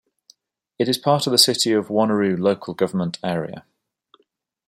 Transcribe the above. It is part of the City of Wanneroo local government area.